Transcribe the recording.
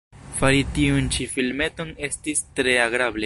Fari tiun ĉi filmeton estis tre agrable.